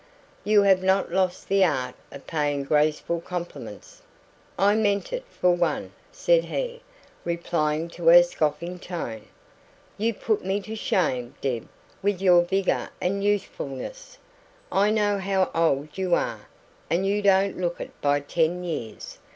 "You have not lost the art of paying graceful compliments." "I meant it for one," said he, replying to her scoffing tone. "You put me to shame, Deb, with your vigour and youthfulness. I know how old you are, and you don't look it by ten years.